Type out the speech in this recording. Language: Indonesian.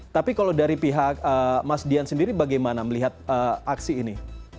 tapi kalau dari pihak mas dian sendiri bagaimana melihat aksi ini